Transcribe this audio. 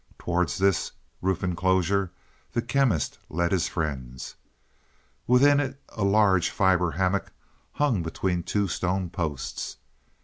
Towards this roofed enclosure the Chemist led his friends. Within it a large fiber hammock hung between two stone posts.